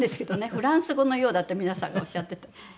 「フランス語のようだ」って皆さんがおっしゃってて。